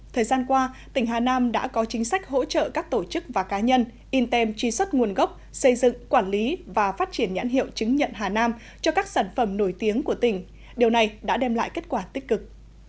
thời gian qua tỉnh hà nam đã có chính sách hỗ trợ các tổ chức và cá nhân in tem tri xuất nguồn gốc xây dựng quản lý và phát triển nhãn hiệu chứng nhận hà nam cho các sản phẩm nổi tiếng của tỉnh điều này đã đem lại kết quả tích cực